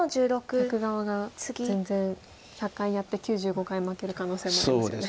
逆側が全然１００回やって９５回負ける可能性もありますよね。